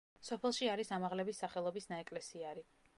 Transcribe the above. სოფელში არის ამაღლების სახელობის ნაეკლესიარი.